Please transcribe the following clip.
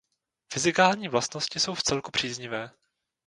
Fyzikální vlastnosti jsou vcelku příznivé.